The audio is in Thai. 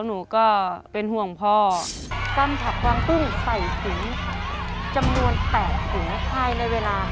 หนูรับงานโตจีนไว้